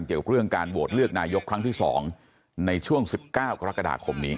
เกี่ยวกับเรื่องการโหวตเลือกนายกครั้งที่๒ในช่วง๑๙กรกฎาคมนี้